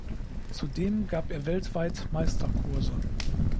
Zudem gab er weltweit Meisterkurse.